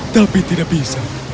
tapi tidak bisa